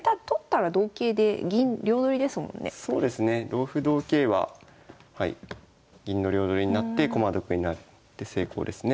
同歩同桂ははい銀の両取りになって駒得になって成功ですね。